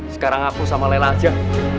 sekarang aku sama lela aja